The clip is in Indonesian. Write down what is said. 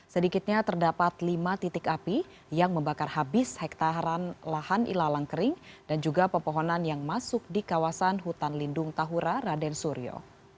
sedikitnya terdapat lima titik api yang membakar habis hektaran lahan ilalang kering dan juga pepohonan yang masuk di kawasan hutan lindung tahura raden suryo